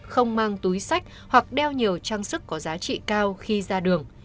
không mang túi sách hoặc đeo nhiều trang sức có giá trị cao khi ra đường